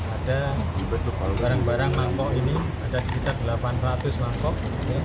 ada di bentuk barang barang mangkuk ini ada sekitar delapan ratus mangkuk